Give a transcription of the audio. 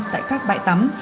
tại các bãi tắm